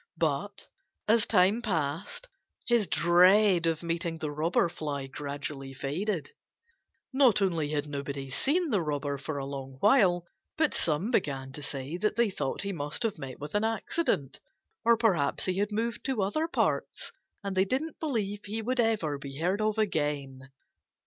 But as time passed, his dread of meeting the Robber Fly gradually faded. Not only had nobody seen the Robber for a long while, but some began to say that they thought he must have met with an accident, or perhaps he had moved to other parts, and they didn't believe he would ever be heard of again.